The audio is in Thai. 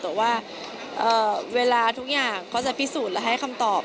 แต่ว่าเวลาทุกอย่างเขาจะพิสูจน์และให้คำตอบ